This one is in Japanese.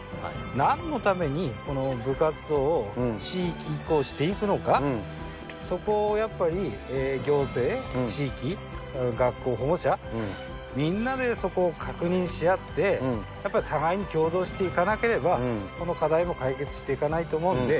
なんのためにこの部活動を地域移行していくのか、そこをやっぱり行政、地域、学校、保護者、みんなでそこを確認し合って、やっぱり互いに協働していかなければ、この課題は解決していかないと思うんで。